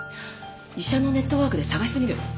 医者のネットワークで探してみる。